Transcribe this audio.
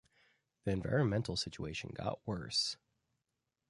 The environmental situation got worse.